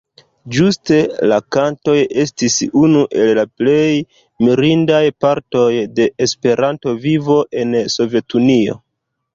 Ĝuste la kantoj estis unu el la plej mirindaj partoj de Esperanto-vivo en Sovetunio.